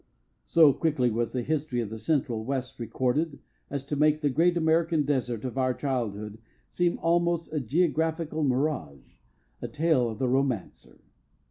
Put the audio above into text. So quickly was the history of the central West recorded, as to make the Great American Desert of our childhood seem almost a geographical mirage, a tale of the romancer.